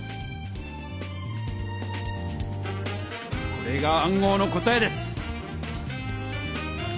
これが暗号の答えです！